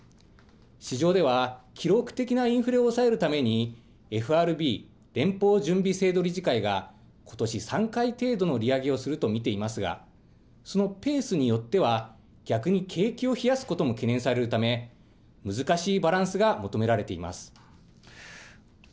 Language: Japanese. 市場では、記録的なインフレを抑えるために、ＦＲＢ・連邦準備制度理事会が、ことし３回程度の利上げをすると見ていますが、そのペースによっては、逆に景気を冷やすことも懸念されるため、難しいバランスが求められています。